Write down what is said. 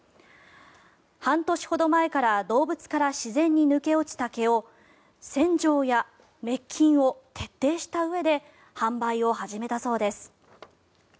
半年ほど前から動物から自然に抜け落ちた毛を洗浄や滅菌を徹底したうえで販売を始めたそうです。